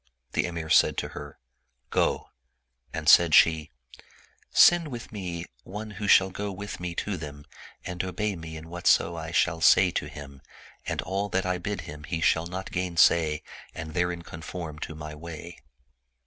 The Emir said to her, " Go "; and said she, " Send with me one who shall go with me to them and obey me in whatso I shall say to him, and all that I bid him he shall not gainsay and therein conform to my way."